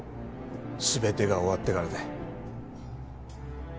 全てが終わってからで。